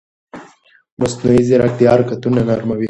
مصنوعي ځیرکتیا حرکتونه نرموي.